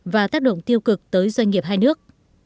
và tác động tiêu cực tới doanh nghiệp hai nước